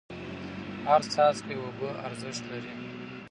هر څاڅکی اوبه ارزښت لري.